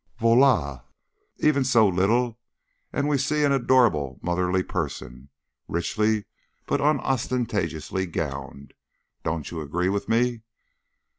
"Voila! Even so little, and we see an adorable motherly person, richly but unostentatiously gowned. Don't you agree with me?"